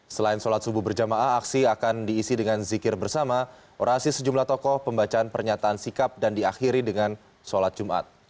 selain sholat subuh berjamaah aksi akan diisi dengan zikir bersama orasi sejumlah tokoh pembacaan pernyataan sikap dan diakhiri dengan sholat jumat